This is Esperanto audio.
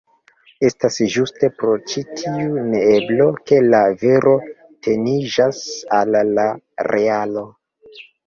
Estas ĝuste pro ĉi tiu neeblo, ke la vero teniĝas al la realo.